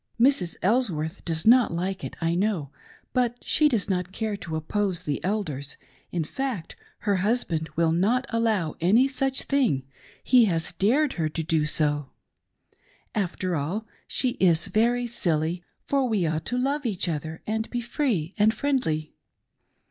Mrs. Elsworth does not like it, I know, but she does not care to oppose the Elders; — ^in fact her hus band will not allow any such thing — he has dared her to do so. After all, she is very silly, for we ought to love each other and be free and friendly.